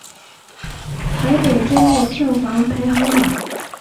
台北周末票房排行榜